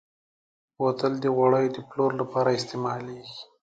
بوتل د غوړیو د پلور لپاره استعمالېږي.